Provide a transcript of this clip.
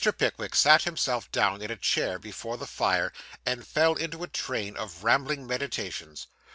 Pickwick sat himself down in a chair before the fire, and fell into a train of rambling meditations.